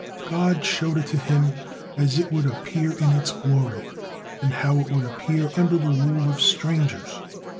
God showed it to him as it would appear in its glory, and how it would appear under the rule of strangers.